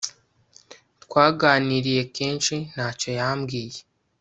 twaganiriye kenshi ntacyo yambwiye